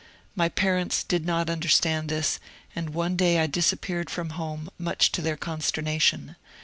My parents did not understand this, and one day I disap peared from home, much to their consternation.